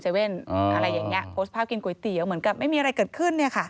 อะไรอย่างนี้โพสต์ภาพกินก๋วยเตี๋ยวเหมือนกับไม่มีอะไรเกิดขึ้นเนี่ยค่ะ